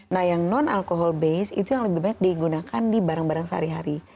nah yang non alkohol base itu yang lebih banyak digunakan di barang barang sehari hari